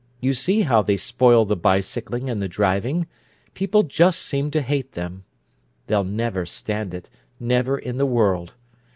You see how they spoil the bicycling and the driving; people just seem to hate them! They'll never stand it—never in the world!